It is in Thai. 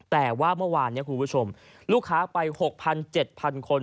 แต่ว่าเมื่อวานนี้คุณผู้ชมลูกค้าไป๖๐๐๗๐๐คน